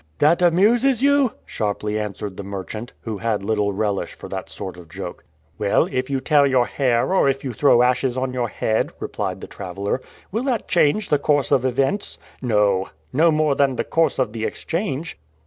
"That amuses you," sharply answered the merchant, who had little relish for that sort of joke. "Well, if you tear your hair, or if you throw ashes on your head," replied the traveler, "will that change the course of events? No; no more than the course of the Exchange."